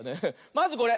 まずこれ。